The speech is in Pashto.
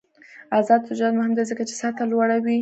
آزاد تجارت مهم دی ځکه چې سطح لوړوي.